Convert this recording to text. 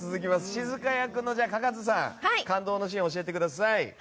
しずか役の、かかずさん感動のシーンを教えてください。